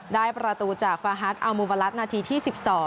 ได้ประตูจากฟาฮัทอัลมูบาลัสนาทีที่๑๒